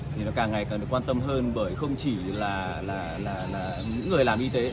thì nó càng ngày càng được quan tâm hơn bởi không chỉ là những người làm y tế